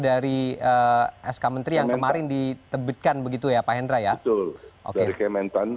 dari sk menteri yang kemarin ditebitkan begitu ya pak hendra ya betul oke kementan